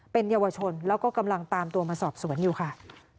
เป็นเยาวชนแล้วก็กำลังตามตัวมาสอบสวนอยู่ค่ะ